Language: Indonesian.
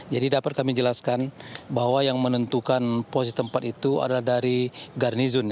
jadi dapat kami jelaskan bahwa yang menentukan posisi tempat itu adalah dari garnizon